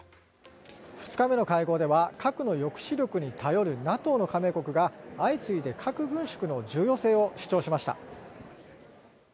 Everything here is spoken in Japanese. ２日目の会合では核の抑止力に頼るＮＡＴＯの加盟国が相次いで核軍縮の重要性を主張しました。